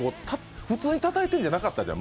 普通のたたいるんじゃなかったじゃん。